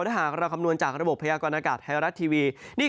ถ้าหากเราคำนวณจากระบบพยากรณากาศไทยรัฐทีวี